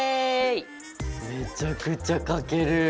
めちゃくちゃ書ける！